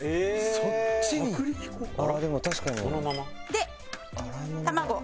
で卵。